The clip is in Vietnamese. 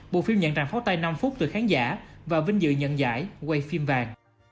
bộ phim nhận tràn pháo tay năm phút từ khán giả và vinh dự nhận giải quay phim vàng